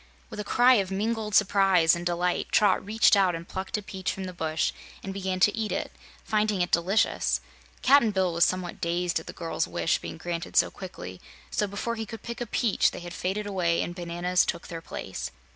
With a cry of mingled surprise and delight Trot reached out and plucked a peach from the bush and began to eat it, finding it delicious. Cap'n Bill was somewhat dazed at the girl's wish being granted so quickly, so before he could pick a peach they had faded away and bananas took their place.